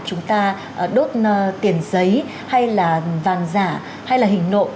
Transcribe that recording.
chúng ta đốt tiền giấy hay là vàng giả hay là hình nộ